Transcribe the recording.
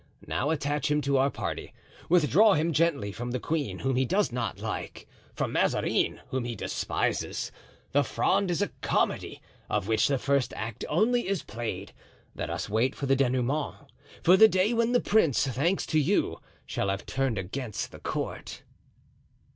Now attach him to our party. Withdraw him gently from the queen, whom he does not like, from Mazarin, whom he despises. The Fronde is a comedy, of which the first act only is played. Let us wait for a dénouement—for the day when the prince, thanks to you, shall have turned against the court."